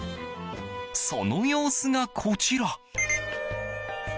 その様子が、こちら。